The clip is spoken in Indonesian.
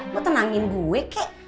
lo tenangin gue kek